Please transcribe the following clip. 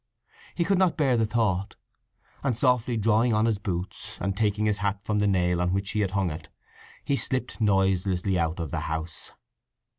He could not bear the thought, and softly drawing on his boots, and taking his hat from the nail on which she had hung it, he slipped noiselessly out of the house.